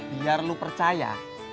biar lu percaya